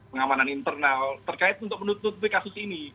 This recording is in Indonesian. pengamanan internal terkait untuk menutupi kasus ini